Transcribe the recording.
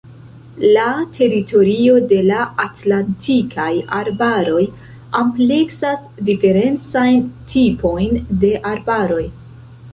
La teritorio de la Atlantikaj arbaroj ampleksas diferencajn tipojn de arbaroj.